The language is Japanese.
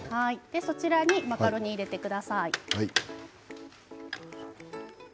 こちらにマカロニを入れてください。